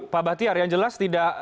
pak batiar yang jelas